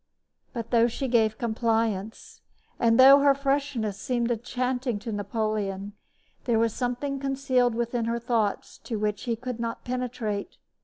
But, though she gave compliance, and though her freshness seemed enchanting to Napoleon, there was something concealed within her thoughts to which he could not penetrate.